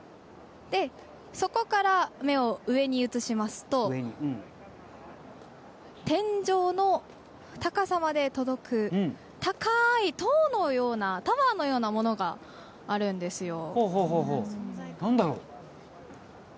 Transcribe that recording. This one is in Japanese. そこから、目を上に移しますと天井の高さまで届く高い塔のようなタワーのようなものがあるんです。